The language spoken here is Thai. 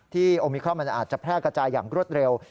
โอมิครอนมันอาจจะแพร่กระจายอย่างรวดเร็ว